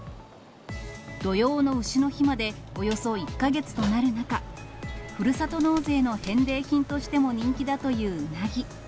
土用のうしの日までおよそ１か月となる中、ふるさと納税の返礼品としても人気だといううなぎ。